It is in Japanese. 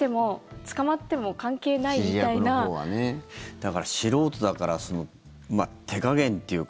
だから、素人だから手加減っていうか